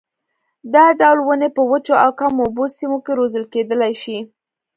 دا ډول ونې په وچو او کمو اوبو سیمو کې روزل کېدلای شي.